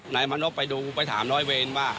นายมณพไปดูไปถามร้อยเวรว่า